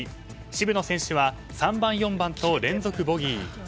渋野選手は、３番、４番と連続ボギー。